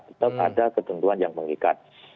tetap ada ketentuan yang mengikat